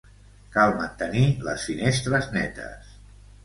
Cal mantenir les finestres netes.